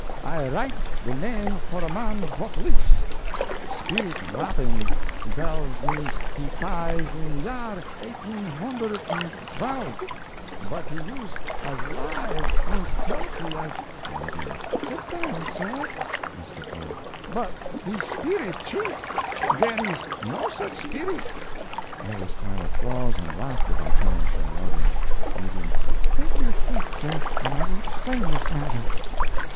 I write de name for a man vot lifs! Speerit rabbing dells me he ties in yahr eighteen hoondert und dwelf, but he yoos as live und helty as—" The Medium—"Sit down, sir!" Mr. O.—"But de speerit cheat!—dere is no such speerit—" (All this time applause and laughter by turns from the audience.) Medium—"Take your seat, sir, and I will explain this matter."